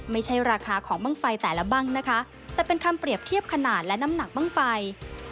ไม่ใช่ราคาของบ้างไฟแต่ละบ้างนะคะแต่เป็นคำเปรียบเทียบขนาดและน้ำหนักบ้างไฟ